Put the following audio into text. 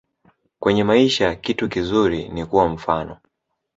Kwenye maisha kitu kizuri ni kuwa mfano